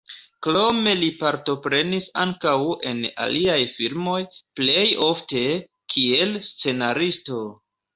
Krome li partoprenis ankaŭ en aliaj filmoj, plej ofte, kiel scenaristo.